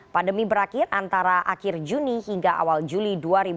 pandemi berakhir antara akhir juni hingga awal juli dua ribu dua puluh